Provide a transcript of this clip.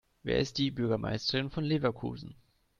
Wer ist die Bürgermeisterin von Leverkusen?